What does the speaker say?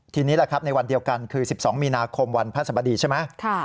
ทีนี้แหละครับในวันเดียวกันคือ๑๒มีนาคมวันพระสบดีใช่ไหม